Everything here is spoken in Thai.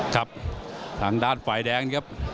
ครั้งด้านไฟแดงครับ